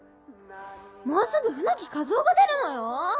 もうすぐ舟木一夫が出るのよ。